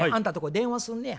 電話すんねや。